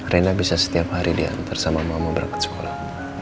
rena bisa setiap hari diantar sama mama berangkat sekolah